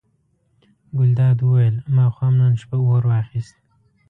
ګلداد وویل ما خو هم نن شپه اور واخیست.